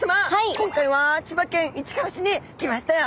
今回は千葉県市川市に来ましたよ！